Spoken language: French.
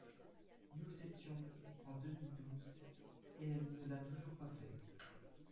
»… Nous étions en deux mille douze, et elle ne l’a toujours pas fait.